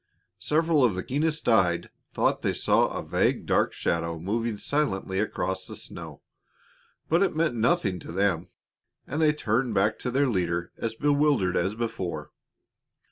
Several of the keenest eyed thought they saw a vague, dark shadow moving silently across the snow; but it meant nothing to them, and they turned back to their leader, as bewildered as before.